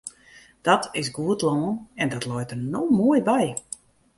Dat is goed lân en dat leit der no moai by.